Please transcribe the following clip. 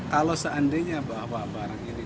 kalau seandainya bahwa barang ini